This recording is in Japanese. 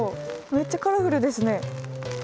めっちゃカラフルですね。